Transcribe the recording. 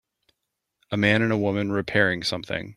A man and a woman repairing something.